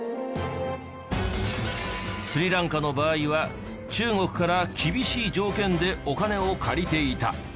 スリランカの場合は中国から厳しい条件でお金を借りていた。